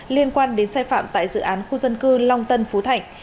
liên quan đến sai phạm tại dự án khu dân cư long tân phú thạnh